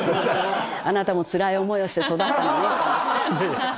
あなたもつらい思いをして育ったのねと思って。